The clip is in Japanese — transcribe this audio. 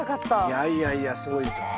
いやいやいやすごいですよ。